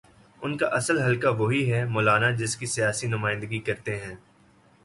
ان کا اصل حلقہ وہی ہے، مولانا جس کی سیاسی نمائندگی کرتے ہیں۔